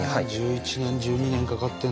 １１年１２年かかってんだ。